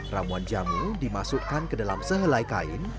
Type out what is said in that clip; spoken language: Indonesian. ramuan jamu dimasukkan ke dalam sehelai kain